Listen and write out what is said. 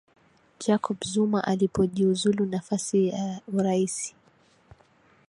jacob zuma alipojiuzulu nafasi ya uraisi